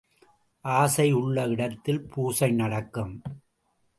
ஆசை உள்ள இடத்தில் பூசை நடக்கும்.